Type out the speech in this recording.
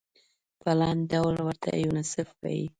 په لنډ ډول ورته یونیسف وايي.